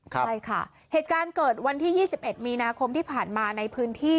ใช่ค่ะเหตุการณ์เกิดวันที่๒๑มีนาคมที่ผ่านมาในพื้นที่